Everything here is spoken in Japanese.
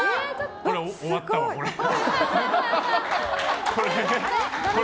終わったわ、これ。